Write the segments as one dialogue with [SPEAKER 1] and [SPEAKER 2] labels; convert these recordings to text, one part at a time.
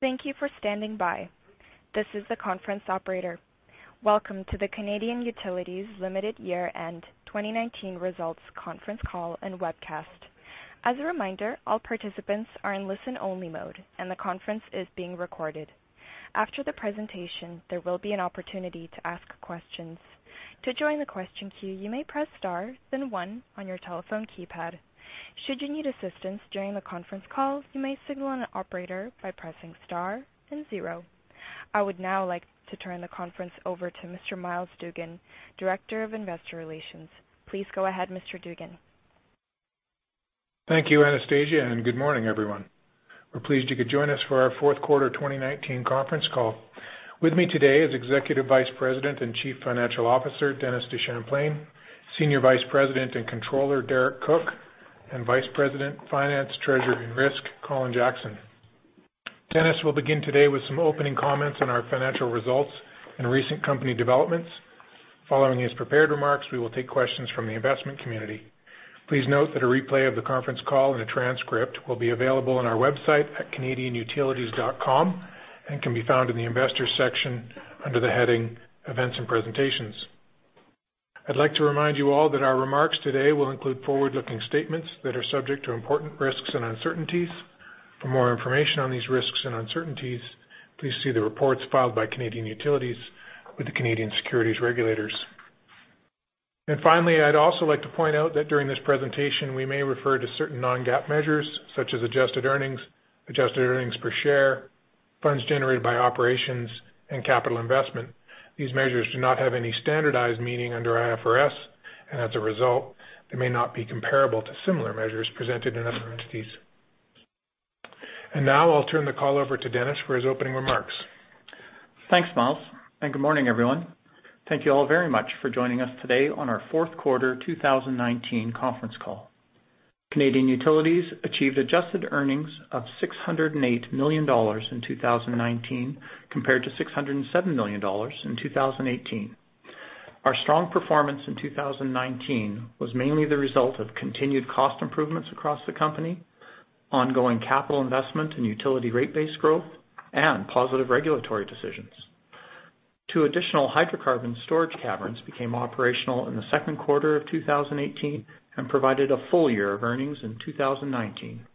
[SPEAKER 1] Thank you for standing by. This is the conference operator. Welcome to the Canadian Utilities Limited Year-End 2019 Results Conference Call and Webcast. As a reminder, all participants are in listen-only mode, and the conference is being recorded. After the presentation, there will be an opportunity to ask questions. To join the question queue, you may press star, then one on your telephone keypad. Should you need assistance during the conference call, you may signal an operator by pressing star and zero. I would now like to turn the conference over to Mr. Myles Dougan, Director of Investor Relations. Please go ahead, Mr. Dougan.
[SPEAKER 2] Thank you, Anastasia, good morning, everyone. We're pleased you could join us for our fourth quarter 2019 conference call. With me today is Executive Vice President and Chief Financial Officer, Dennis DeChamplain, Senior Vice President and Controller, Derek Cook, and Vice President of Finance, Treasury, and Risk, Colin Jackson. Dennis will begin today with some opening comments on our financial results and recent company developments. Following his prepared remarks, we will take questions from the investment community. Please note that a replay of the conference call and a transcript will be available on our website at canadianutilities.com and can be found in the investors section under the heading Events and Presentations. I'd like to remind you all that our remarks today will include forward-looking statements that are subject to important risks and uncertainties. For more information on these risks and uncertainties, please see the reports filed by Canadian Utilities with the Canadian securities regulators. Finally, I'd also like to point out that during this presentation, we may refer to certain non-GAAP measures such as adjusted earnings, adjusted earnings per share, funds generated by operations, and capital investment. These measures do not have any standardized meaning under IFRS, and as a result, they may not be comparable to similar measures presented in other entities. Now I'll turn the call over to Dennis for his opening remarks.
[SPEAKER 3] Thanks, Myles, good morning, everyone. Thank you all very much for joining us today on our fourth quarter 2019 conference call. Canadian Utilities achieved adjusted earnings of 608 million dollars in 2019 compared to 607 million dollars in 2018. Our strong performance in 2019 was mainly the result of continued cost improvements across the company, ongoing capital investment in utility rate base growth, and positive regulatory decisions. Two additional hydrocarbon storage caverns became operational in the second quarter of 2018 and provided a full year of earnings in 2019.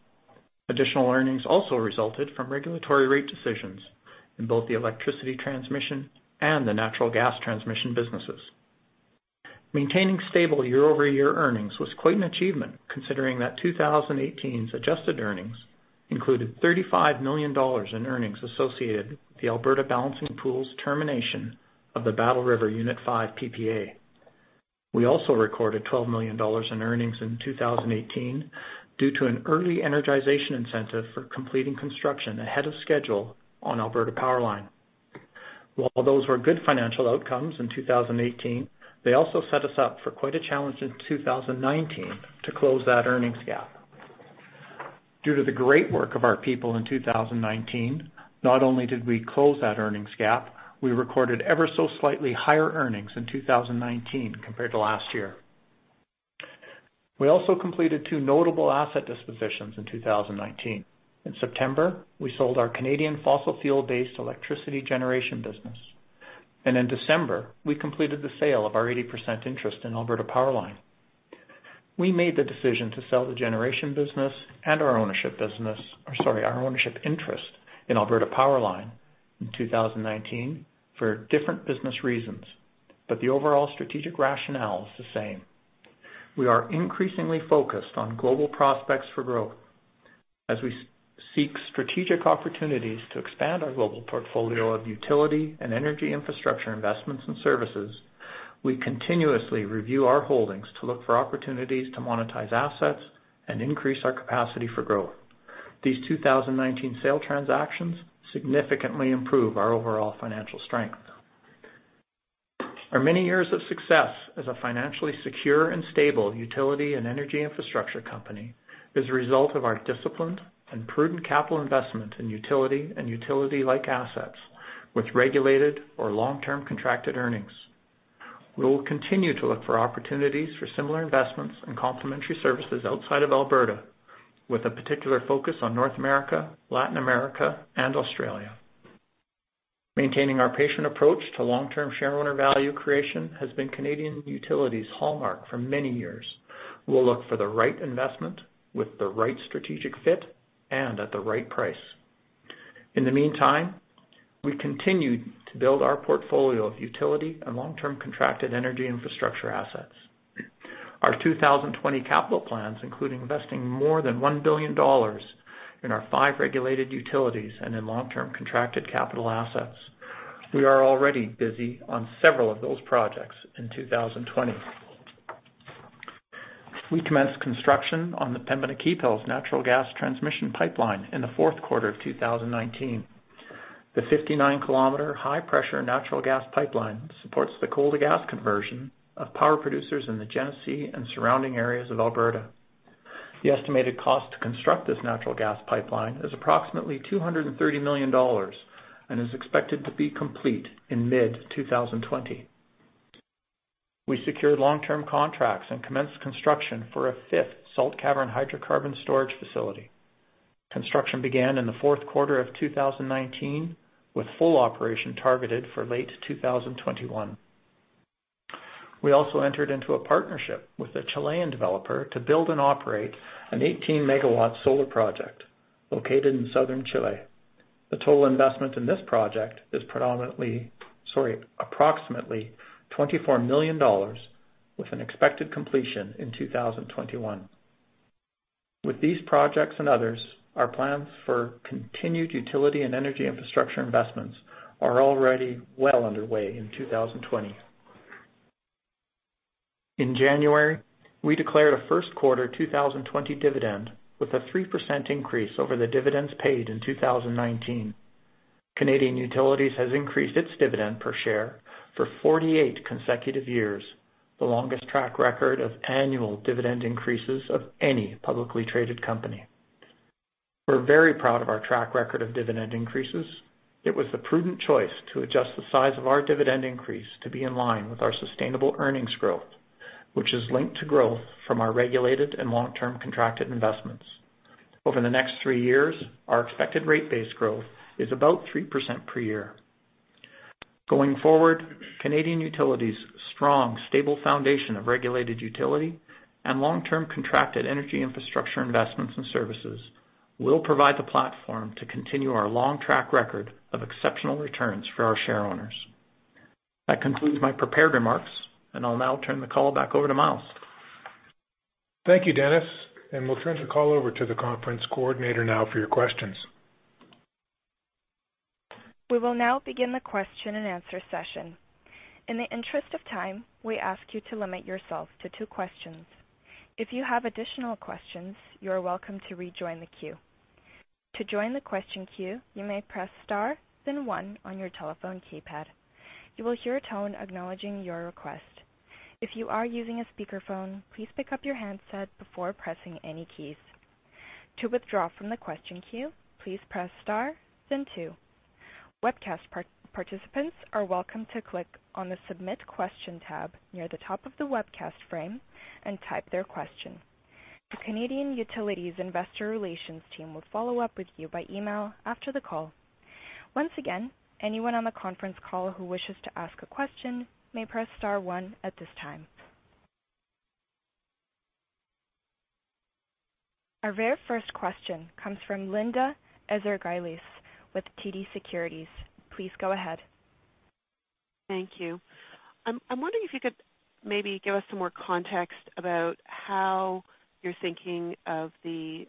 [SPEAKER 3] Additional earnings also resulted from regulatory rate decisions in both the electricity transmission and the natural gas transmission businesses. Maintaining stable year-over-year earnings was quite an achievement, considering that 2018's adjusted earnings included 35 million dollars in earnings associated with the Alberta Balancing Pool's termination of the Battle River Unit 5 PPA. We also recorded 12 million dollars in earnings in 2018 due to an early energization incentive for completing construction ahead of schedule on Alberta Powerline. While those were good financial outcomes in 2018, they also set us up for quite a challenge in 2019 to close that earnings gap. Due to the great work of our people in 2019, not only did we close that earnings gap, we recorded ever so slightly higher earnings in 2019 compared to last year. We also completed two notable asset dispositions in 2019. In September, we sold our Canadian fossil fuel-based electricity generation business, and in December, we completed the sale of our 80% interest in Alberta Powerline. We made the decision to sell the generation business and our ownership business, or sorry, our ownership interest in Alberta Powerline in 2019 for different business reasons, but the overall strategic rationale is the same. We are increasingly focused on global prospects for growth. As we seek strategic opportunities to expand our global portfolio of utility and energy infrastructure investments and services, we continuously review our holdings to look for opportunities to monetize assets and increase our capacity for growth. These 2019 sale transactions significantly improve our overall financial strength. Our many years of success as a financially secure and stable utility and energy infrastructure company is a result of our disciplined and prudent capital investment in utility and utility-like assets with regulated or long-term contracted earnings. We will continue to look for opportunities for similar investments and complementary services outside of Alberta, with a particular focus on North America, Latin America, and Australia. Maintaining our patient approach to long-term shareowner value creation has been Canadian Utilities' hallmark for many years. We'll look for the right investment with the right strategic fit and at the right price. In the meantime, we continue to build our portfolio of utility and long-term contracted energy infrastructure assets. Our 2020 capital plans include investing more than 1 billion dollars in our five regulated utilities and in long-term contracted capital assets. We are already busy on several of those projects in 2020. We commenced construction on the Pembina Keephills natural gas transmission pipeline in the fourth quarter of 2019. The 59 km high-pressure natural gas pipeline supports the coal to gas conversion of power producers in the Genesee and surrounding areas of Alberta. The estimated cost to construct this natural gas pipeline is approximately 230 million dollars and is expected to be complete in mid-2020. We secured long-term contracts and commenced construction for a fifth salt cavern hydrocarbon storage facility. Construction began in the fourth quarter of 2019, with full operation targeted for late 2021. We also entered into a partnership with a Chilean developer to build and operate an 18 MW solar project located in southern Chile. The total investment in this project is approximately 24 million dollars, with an expected completion in 2021. With these projects and others, our plans for continued utility and energy infrastructure investments are already well underway in 2020. In January, we declared a first quarter 2020 dividend with a 3% increase over the dividends paid in 2019. Canadian Utilities has increased its dividend per share for 48 consecutive years, the longest track record of annual dividend increases of any publicly traded company. We're very proud of our track record of dividend increases. It was the prudent choice to adjust the size of our dividend increase to be in line with our sustainable earnings growth, which is linked to growth from our regulated and long-term contracted investments. Over the next three years, our expected rate base growth is about 3% per year. Going forward, Canadian Utilities' strong, stable foundation of regulated utility and long-term contracted energy infrastructure investments and services will provide the platform to continue our long track record of exceptional returns for our share owners. That concludes my prepared remarks, and I'll now turn the call back over to Myles.
[SPEAKER 2] Thank you, Dennis. We'll turn the call over to the conference coordinator now for your questions.
[SPEAKER 1] We will now begin the question and answer session. In the interest of time, we ask you to limit yourself to two questions. If you have additional questions, you are welcome to rejoin the queue. To join the question queue, you may press star then one on your telephone keypad. You will hear a tone acknowledging your request. If you are using a speakerphone, please pick up your handset before pressing any keys. To withdraw from the question queue, please press star then two. Webcast participants are welcome to click on the submit question tab near the top of the webcast frame and type their question. The Canadian Utilities investor relations team will follow up with you by email after the call. Once again, anyone on the conference call who wishes to ask a question may press star one at this time. Our very first question comes from Linda Ezergailis with TD Securities. Please go ahead.
[SPEAKER 4] Thank you. I'm wondering if you could maybe give us some more context about how you're thinking of the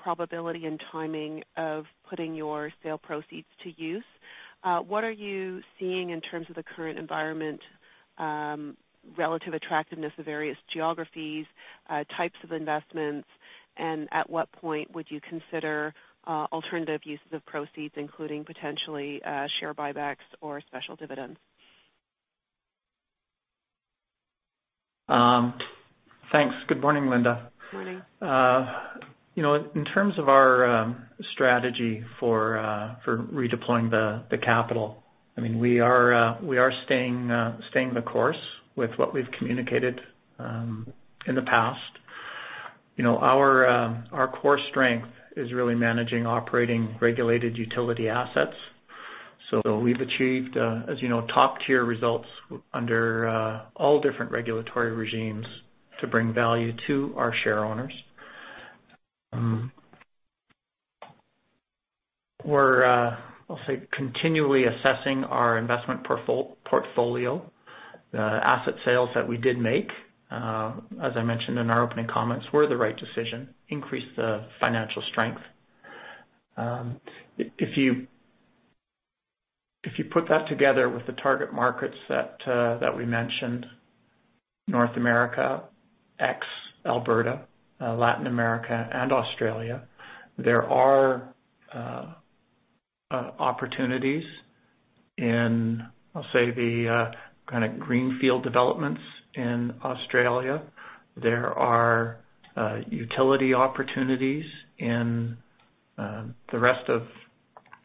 [SPEAKER 4] probability and timing of putting your sale proceeds to use. What are you seeing in terms of the current environment, relative attractiveness of various geographies, types of investments, and at what point would you consider alternative uses of proceeds, including potentially share buybacks or special dividends?
[SPEAKER 3] Thanks. Good morning, Linda.
[SPEAKER 4] Morning.
[SPEAKER 3] In terms of our strategy for redeploying the capital, we are staying the course with what we've communicated in the past. Our core strength is really managing operating regulated utility assets. We've achieved, as you know, top-tier results under all different regulatory regimes to bring value to our share owners. We're, I'll say, continually assessing our investment portfolio. The asset sales that we did make, as I mentioned in our opening comments, were the right decision, increased the financial strength. If you put that together with the target markets that we mentioned, North America, ex Alberta, Latin America and Australia, there are opportunities in, I'll say, the kind of greenfield developments in Australia. There are utility opportunities in the rest of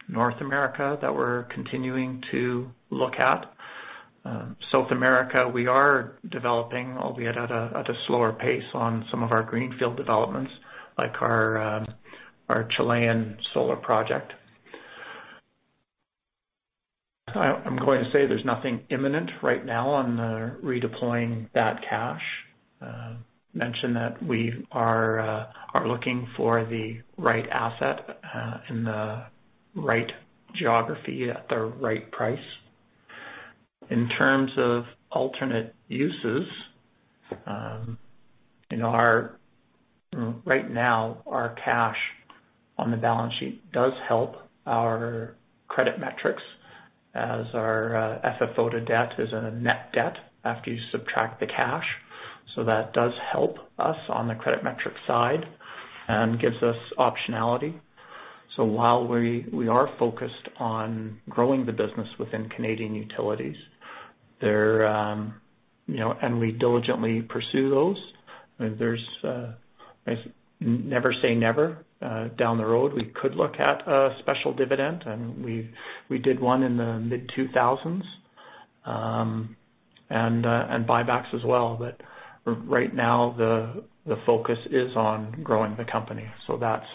[SPEAKER 3] North America that we're continuing to look at. South America, we are developing, albeit at a slower pace, on some of our greenfield developments, like our Chilean solar project. I am going to say there is nothing imminent right now on redeploying that cash. We mentioned that we are looking for the right asset in the right geography at the right price. In terms of alternate uses, right now our cash on the balance sheet does help our credit metrics as our FFO to debt is a net debt after you subtract the cash. That does help us on the credit metric side and gives us optionality. While we are focused on growing the business within Canadian Utilities. Never say never. Down the road, we could look at a special dividend. We did one in the mid-2000s, and buybacks as well. Right now, the focus is on growing the company. That's,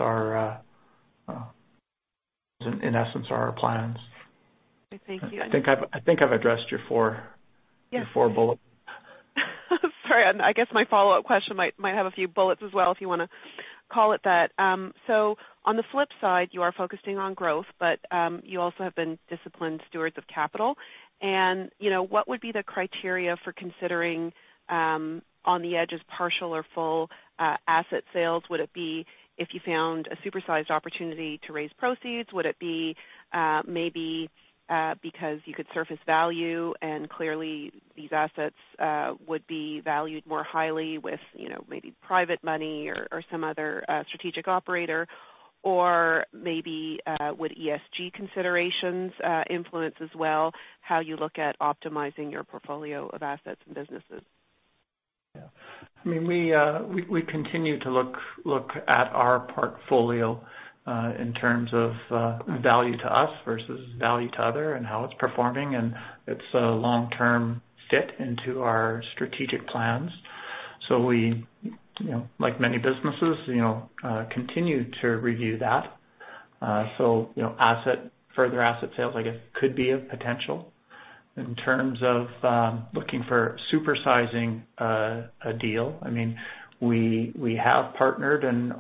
[SPEAKER 3] in essence, our plans.
[SPEAKER 4] Thank you.
[SPEAKER 3] I think I've addressed your.
[SPEAKER 4] Yes
[SPEAKER 3] your four bullets.
[SPEAKER 4] Sorry. I guess my follow-up question might have a few bullets as well, if you want to call it that. On the flip side, you are focusing on growth, but you also have been disciplined stewards of capital. What would be the criteria for considering on the edge of partial or full asset sales? Would it be if you found a super-sized opportunity to raise proceeds? Would it be maybe because you could surface value and clearly these assets would be valued more highly with maybe private money or some other strategic operator? Maybe would ESG considerations influence as well how you look at optimizing your portfolio of assets and businesses?
[SPEAKER 3] Yeah. We continue to look at our portfolio in terms of value to us versus value to other and how it's performing and its long-term fit into our strategic plans. We, like many businesses, continue to review that. Further asset sales, I guess, could be a potential. In terms of looking for supersizing a deal, we have partnered and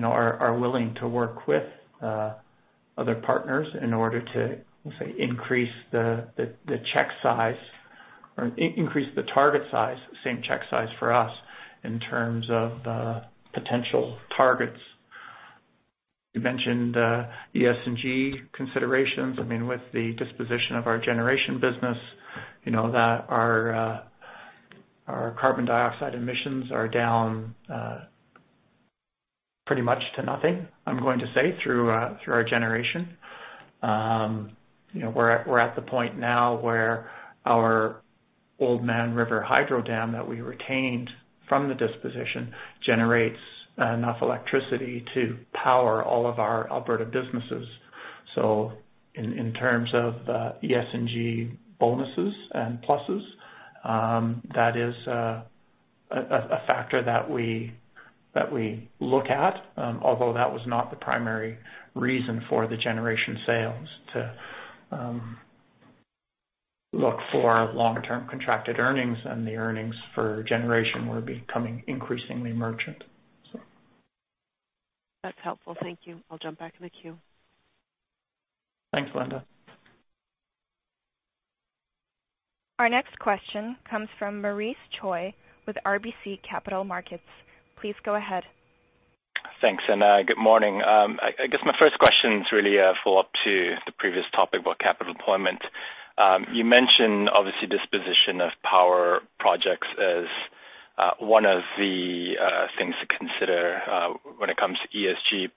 [SPEAKER 3] are willing to work with other partners in order to, say, increase the check size or increase the target size, same check size for us, in terms of potential targets. You mentioned ESG considerations. With the disposition of our generation business, our carbon dioxide emissions are down pretty much to nothing, I'm going to say, through our generation. We're at the point now where our Oldman River hydro dam that we retained from the disposition generates enough electricity to power all of our operative businesses. In terms of ESG bonuses and pluses, that is a factor that we look at. Although that was not the primary reason for the generation sales to look for long-term contracted earnings, and the earnings for generation were becoming increasingly merchant.
[SPEAKER 4] That's helpful. Thank you. I'll jump back in the queue.
[SPEAKER 3] Thanks, Linda.
[SPEAKER 1] Our next question comes from Maurice Choy with RBC Capital Markets. Please go ahead.
[SPEAKER 5] Thanks. Good morning. I guess my first question is really a follow-up to the previous topic about capital deployment. You mentioned, obviously, disposition of power projects as one of the things to consider when it comes to ESG.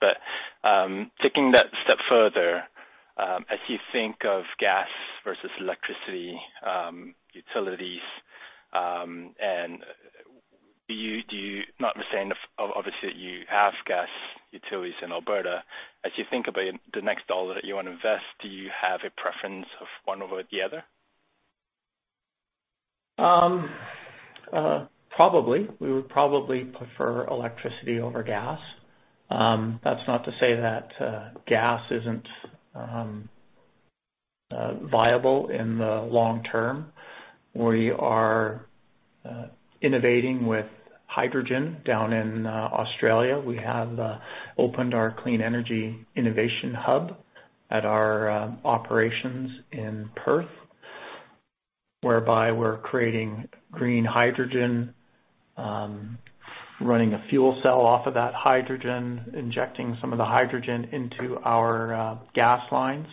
[SPEAKER 5] Taking that step further, as you think of gas versus electricity utilities, obviously, you have gas utilities in Alberta. As you think about the next dollar that you want to invest, do you have a preference of one over the other?
[SPEAKER 3] Probably. We would probably prefer electricity over gas. That's not to say that gas isn't viable in the long term. We are innovating with hydrogen down in Australia. We have opened our Clean Energy Innovation Hub at our operations in Perth, whereby we're creating green hydrogen, running a fuel cell off of that hydrogen, injecting some of the hydrogen into our gas lines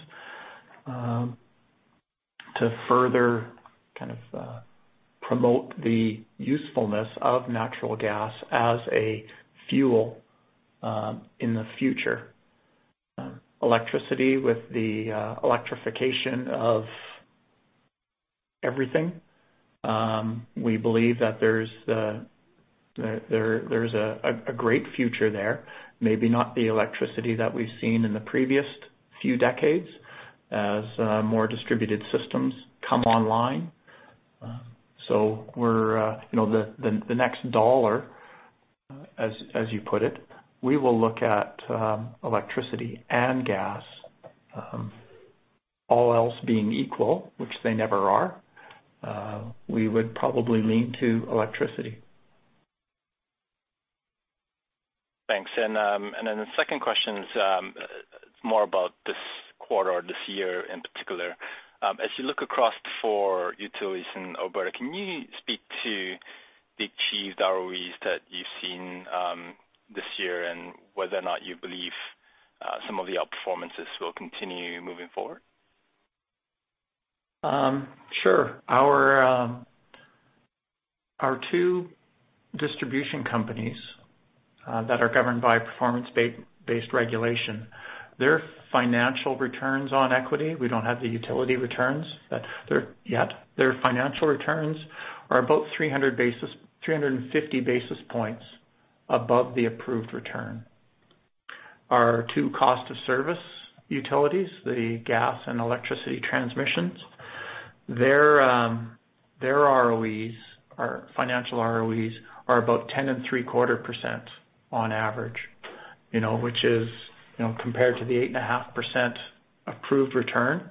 [SPEAKER 3] to further kind of promote the usefulness of natural gas as a fuel in the future. Electricity with the electrification of everything, we believe that there's a great future there. Maybe not the electricity that we've seen in the previous few decades as more distributed systems come online. The next dollar, as you put it, we will look at electricity and gas. All else being equal, which they never are, we would probably lean to electricity.
[SPEAKER 5] Thanks. The second question is more about this quarter or this year in particular. As you look across the four utilities in Alberta, can you speak to the achieved ROEs that you've seen this year and whether or not you believe some of the out performances will continue moving forward?
[SPEAKER 3] Sure. Our two distribution companies that are governed by performance-based regulation. Their financial returns on equity, we don't have the utility returns yet. Their financial returns are about 350 basis points above the approved return. Our two cost of service utilities, the gas and electricity transmissions, their financial ROEs are about 10.75% on average, which is, compared to the 8.5% approved return,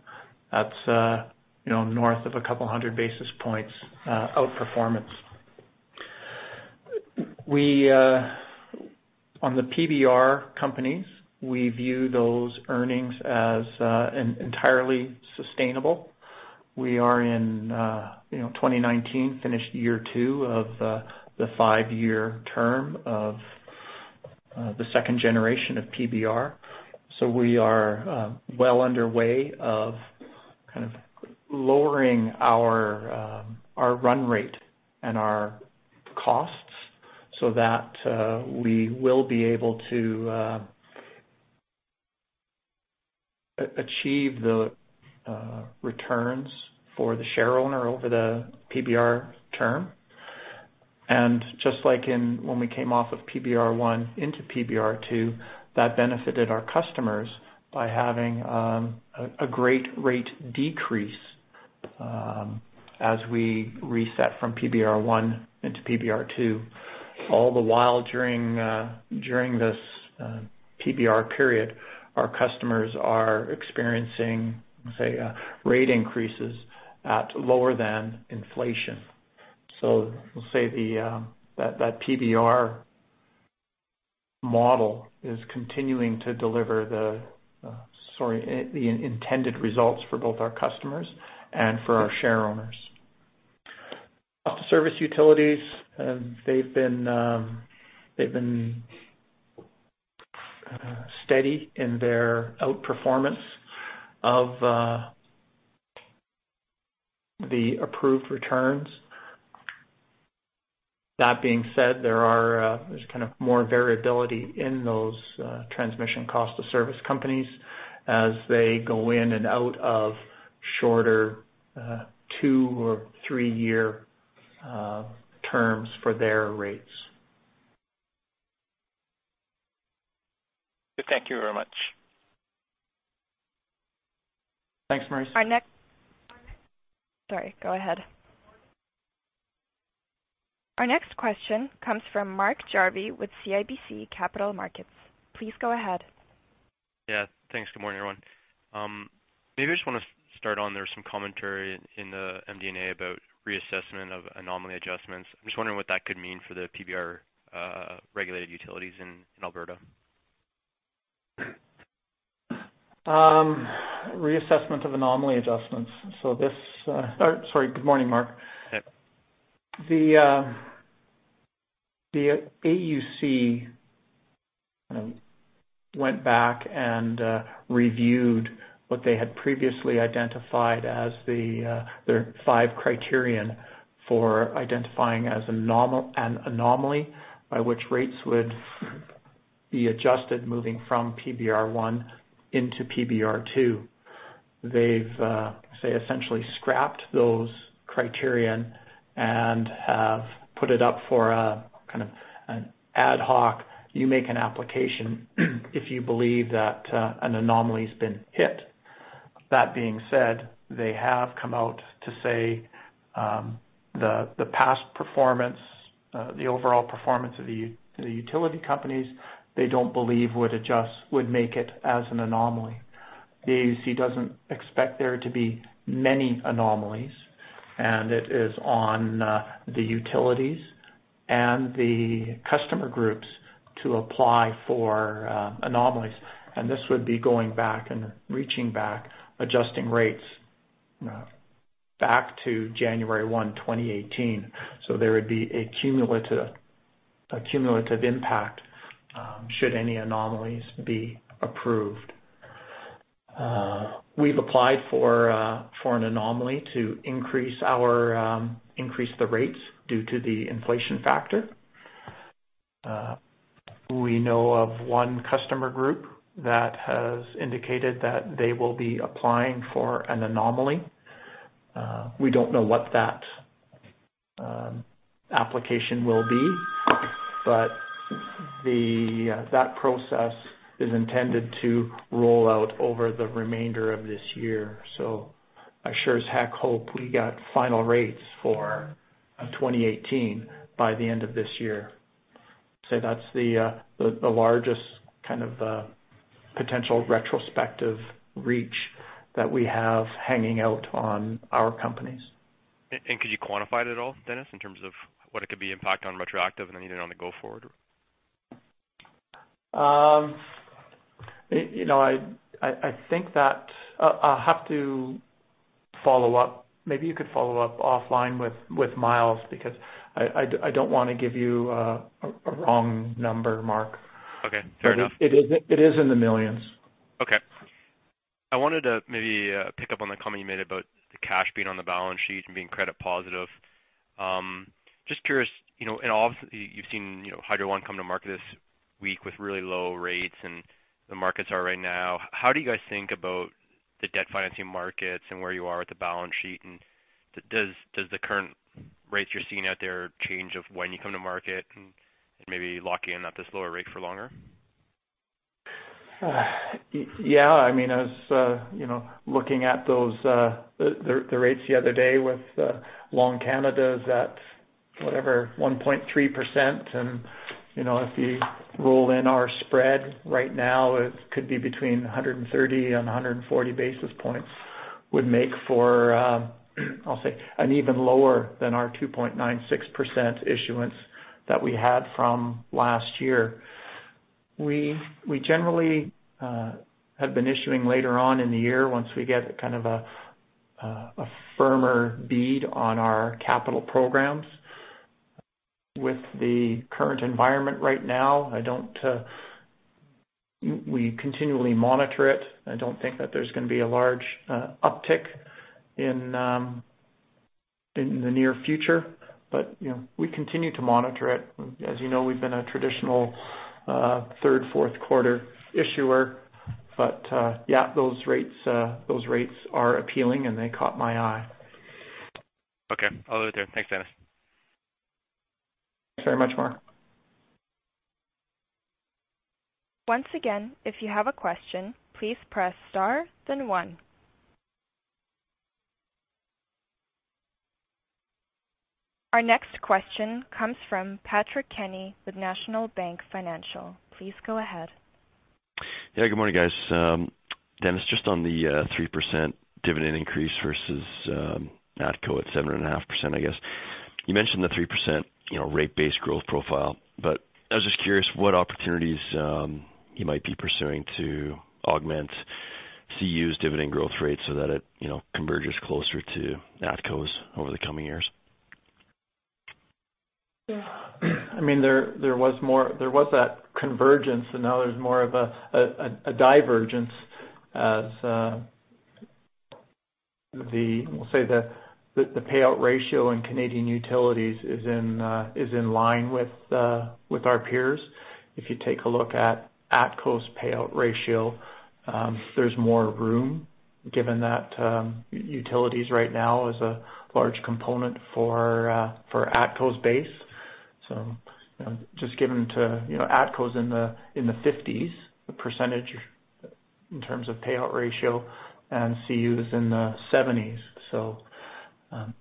[SPEAKER 3] that's north of a couple of hundred basis points out-performance. On the PBR companies, we view those earnings as entirely sustainable. We are in 2019, finished year two of the five-year term of the second generation of PBR. We are well underway of lowering our run rate and our costs so that we will be able to achieve the returns for the share owner over the PBR term. Just like when we came off of PBR one into PBR two, that benefited our customers by having a great rate decrease as we reset from PBR one into PBR two. All the while during this PBR period, our customers are experiencing, say, rate increases at lower than inflation. We'll say that PBR model is continuing to deliver the intended results for both our customers and for our share owners. Cost of service utilities, they've been steady in their out-performance of the approved returns. That being said, there's more variability in those transmission cost of service companies as they go in and out of shorter two or three-year terms for their rates.
[SPEAKER 5] Thank you very much.
[SPEAKER 3] Thanks, Maurice.
[SPEAKER 1] Sorry, go ahead. Our next question comes from Mark Jarvi with CIBC Capital Markets. Please go ahead.
[SPEAKER 6] Yeah. Thanks. Good morning, everyone. Maybe I just want to start on, there was some commentary in the MD&A about reassessment of anomaly adjustments. I'm just wondering what that could mean for the PBR-regulated utilities in Alberta.
[SPEAKER 3] Reassessment of anomaly adjustments. Sorry. Good morning, Mark.
[SPEAKER 6] Hey.
[SPEAKER 3] The AUC went back and reviewed what they had previously identified as their five criterion for identifying as an anomaly, by which rates would be adjusted moving from PBR 1 into PBR 2. They've, say, essentially scrapped those criterion and have put it up for an ad hoc, you make an application if you believe that an anomaly's been hit. That being said, they have come out to say the past performance, the overall performance of the utility companies, they don't believe would make it as an anomaly. The AUC doesn't expect there to be many anomalies, and it is on the utilities and the customer groups to apply for anomalies, and this would be going back and reaching back, adjusting rates back to January 1, 2018. So there would be a cumulative impact, should any anomalies be approved. We've applied for an anomaly to increase the rates due to the inflation factor. We know of one customer group that has indicated that they will be applying for an anomaly. We don't know what that application will be, but that process is intended to roll out over the remainder of this year. I sure as heck hope we got final rates for 2018 by the end of this year. That's the largest potential retrospective reach that we have hanging out on our companies.
[SPEAKER 6] Could you quantify it at all, Dennis, in terms of what it could be impact on retroactive and either on the go forward?
[SPEAKER 3] I'll have to follow up. Maybe you could follow up offline with Myles, because I don't want to give you a wrong number, Mark.
[SPEAKER 6] Okay. Fair enough.
[SPEAKER 3] It is in the millions.
[SPEAKER 6] Okay. I wanted to maybe pick up on the comment you made about the cash being on the balance sheet and being credit positive. Just curious, and obviously you've seen Hydro One come to market this week with really low rates and the markets are right now. How do you guys think about the debt financing markets and where you are with the balance sheet? Does the current rates you're seeing out there change of when you come to market and maybe lock in at this lower rate for longer?
[SPEAKER 3] Yeah. I was looking at the rates the other day with long Canada's at whatever, 1.3%. If you roll in our spread right now, it could be between 130 and 140 basis points would make for, I'll say, an even lower than our 2.96% issuance that we had from last year. We generally have been issuing later on in the year once we get kind of a firmer bead on our capital programs. With the current environment right now, we continually monitor it. I don't think that there's going to be a large uptick in the near future, but we continue to monitor it. As you know, we've been a traditional third, fourth quarter issuer. Yeah, those rates are appealing and they caught my eye.
[SPEAKER 6] Okay. I'll leave it there. Thanks, Dennis.
[SPEAKER 3] Thanks very much, Mark.
[SPEAKER 1] Once again, if you have a question, please press star then one. Our next question comes from Patrick Kenny with National Bank Financial. Please go ahead.
[SPEAKER 7] Yeah, good morning, guys. Dennis, just on the 3% dividend increase versus ATCO at 7.5%, I guess. I was just curious what opportunities you might be pursuing to augment CU's dividend growth rate so that it converges closer to ATCO's over the coming years.
[SPEAKER 3] There was that convergence and now there's more of a divergence as the, we'll say, the payout ratio in Canadian Utilities is in line with our peers. If you take a look at ATCO's payout ratio, there's more room given that utilities right now is a large component for ATCO's base. Just given to ATCO's in the 50s, the percentage in terms of payout ratio and CU's in the 70s.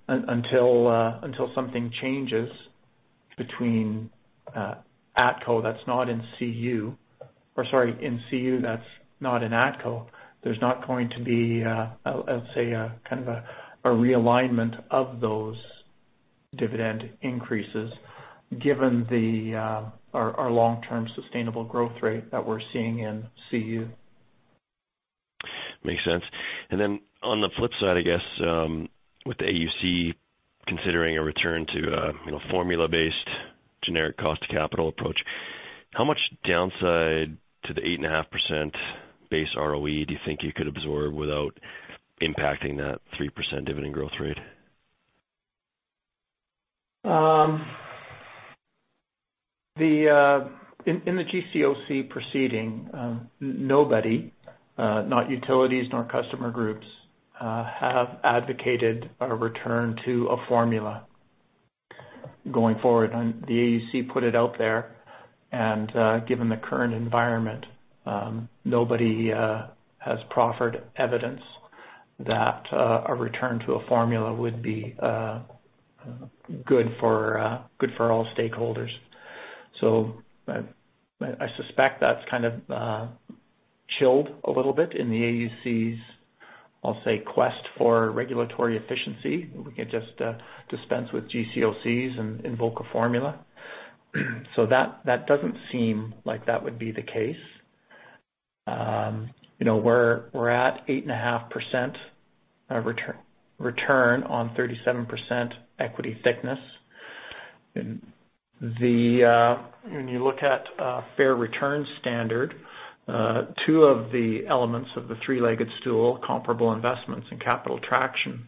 [SPEAKER 3] Until something changes between ATCO that's not in CU or, sorry, in CU that's not in ATCO, there's not going to be, I'll say, a kind of a realignment of those dividend increases given our long-term sustainable growth rate that we're seeing in CU.
[SPEAKER 7] Makes sense. On the flip side, I guess, with the AUC considering a return to formula-based generic cost of capital approach, how much downside to the 8.5% base ROE do you think you could absorb without impacting that 3% dividend growth rate?
[SPEAKER 3] In the GCOC proceeding, nobody, not utilities nor customer groups, have advocated a return to a formula going forward. Given the current environment, nobody has proffered evidence that a return to a formula would be good for all stakeholders. I suspect that's kind of chilled a little bit in the AUC's, I'll say, quest for regulatory efficiency. We can just dispense with GCOCs and invoke a formula. That doesn't seem like that would be the case. We're at 8.5% return on 37% equity thickness. When you look at fair return standard, two of the elements of the three-legged stool, comparable investments and capital attraction,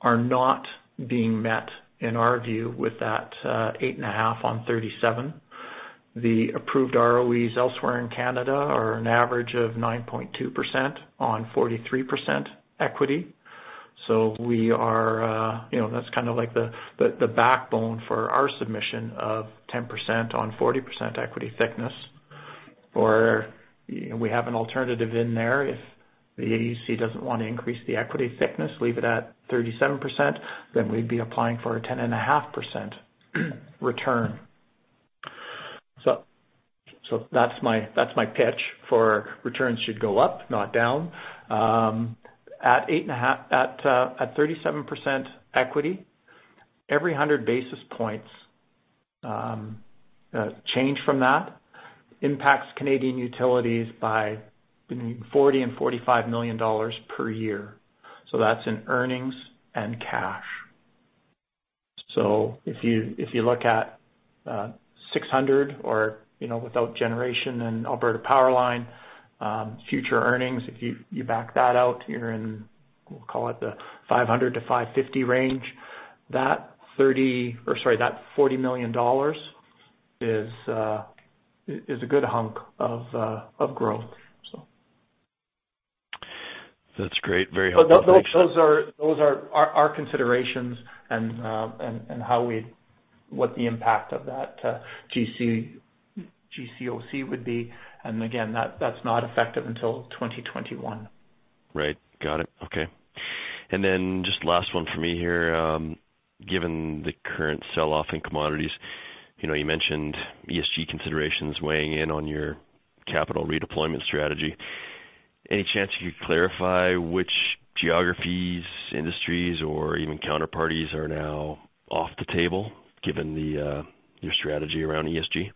[SPEAKER 3] are not being met in our view with that 8.5% on 37%. The approved ROEs elsewhere in Canada are an average of 9.2% on 43% equity. That's kind of like the backbone for our submission of 10% on 40% equity thickness. We have an alternative in there. If the AUC doesn't want to increase the equity thickness, leave it at 37%, we'd be applying for a 10.5% return. That's my pitch for returns should go up, not down. At 37% equity, every 100 basis points change from that impacts Canadian Utilities by between 40 million-45 million dollars per year. That's in earnings and cash. If you look at 600 million or without generation and Alberta Powerline future earnings, if you back that out, you're in, we'll call it the 500 million-550 million range. That 40 million dollars is a good hunk of growth.
[SPEAKER 7] That's great. Very helpful. Thanks.
[SPEAKER 3] Those are our considerations and what the impact of that GCOC would be. Again, that's not effective until 2021.
[SPEAKER 7] Right. Got it. Okay. Just last one for me here. Given the current sell-off in commodities, you mentioned ESG considerations weighing in on your capital redeployment strategy. Any chance you could clarify which geographies, industries, or even counterparties are now off the table given your strategy around ESG?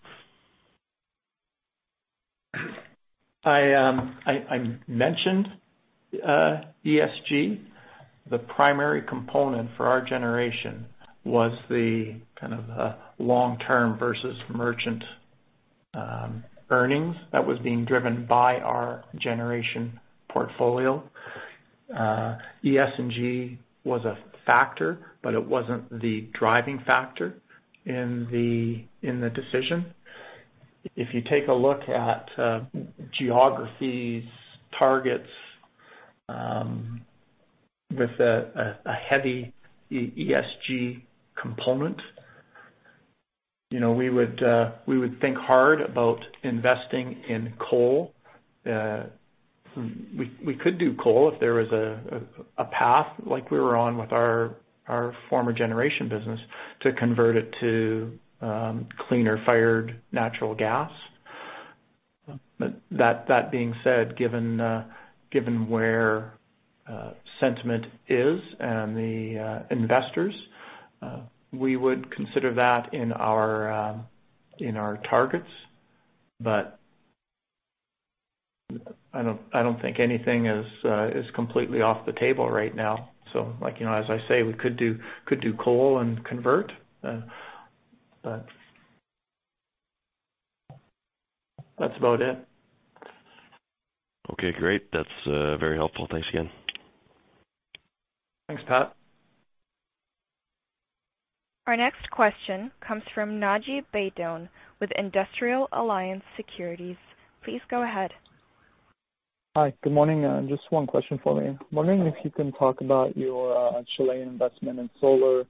[SPEAKER 3] I mentioned ESG. The primary component for our generation was the kind of long-term versus merchant earnings that was being driven by our generation portfolio. ES and G was a factor, but it wasn't the driving factor in the decision. If you take a look at geographies, targets, with a heavy ESG component, we would think hard about investing in coal. We could do coal if there was a path like we were on with our former generation business to convert it to cleaner-fired natural gas. That being said, given where sentiment is and the investors, we would consider that in our targets. I don't think anything is completely off the table right now. As I say, we could do coal and convert. That's about it.
[SPEAKER 7] Okay, great. That's very helpful. Thanks again.
[SPEAKER 3] Thanks, Patrick.
[SPEAKER 1] Our next question comes from Naji Baydoun with iA Private Wealth. Please go ahead.
[SPEAKER 8] Hi. Good morning. Just one question for Ian. Wondering if you can talk about your Chilean investment in solar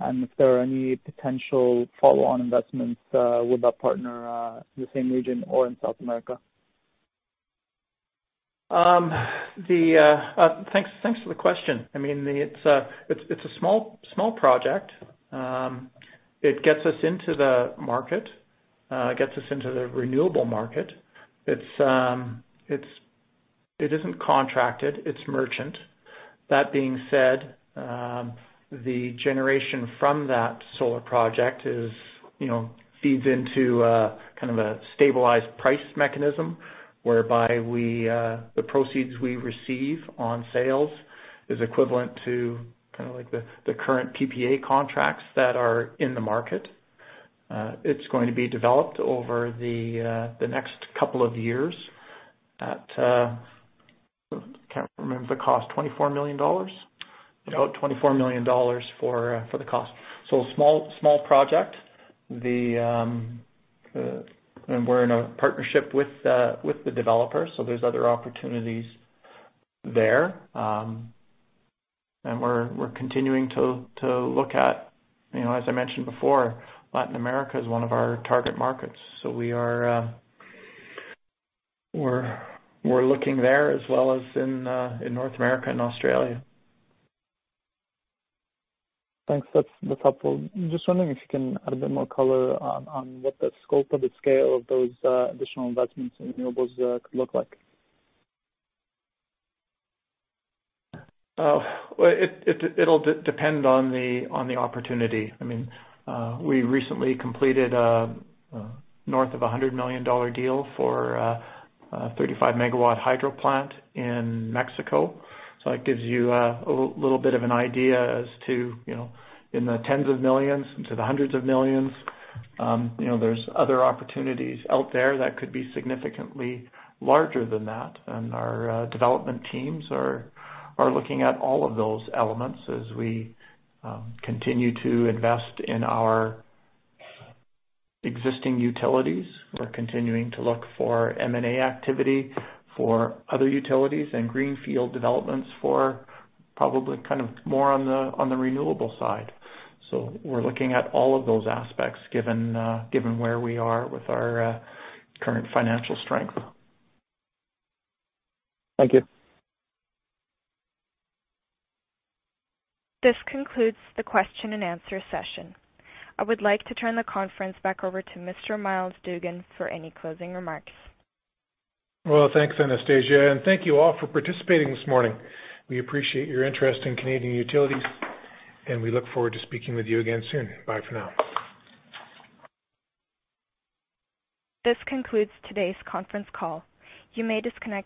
[SPEAKER 8] and if there are any potential follow-on investments with that partner in the same region or in South America.
[SPEAKER 3] Thanks for the question. It's a small project. It gets us into the market, gets us into the renewable market. It isn't contracted, it's merchant. That being said, the generation from that solar project feeds into a kind of a stabilized price mechanism whereby the proceeds we receive on sales is equivalent to the current PPA contracts that are in the market. It's going to be developed over the next couple of years at, I can't remember the cost, 24 million dollars? About 24 million dollars for the cost. A small project. We're in a partnership with the developer, there's other opportunities there. We're continuing to look at, as I mentioned before, Latin America is one of our target markets. We're looking there as well as in North America and Australia.
[SPEAKER 8] Thanks. That's helpful. I'm just wondering if you can add a bit more color on what the scope of the scale of those additional investments in renewables could look like?
[SPEAKER 3] Well, it'll depend on the opportunity. We recently completed north of 100 million dollar deal for a 35 MW hydro plant in Mexico. That gives you a little bit of an idea as to in the tens of millions into the hundreds of millions. There's other opportunities out there that could be significantly larger than that, and our development teams are looking at all of those elements as we continue to invest in our existing utilities. We're continuing to look for M&A activity for other utilities and greenfield developments for probably more on the renewable side. We're looking at all of those aspects given where we are with our current financial strength.
[SPEAKER 8] Thank you.
[SPEAKER 1] This concludes the question and answer session. I would like to turn the conference back over to Mr. Myles Dougan for any closing remarks.
[SPEAKER 2] Well, thanks, Anastasia, and thank you all for participating this morning. We appreciate your interest in Canadian Utilities, and we look forward to speaking with you again soon. Bye for now.
[SPEAKER 1] This concludes today's conference call. You may disconnect.